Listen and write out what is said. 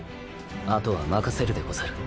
後は任せるでござる。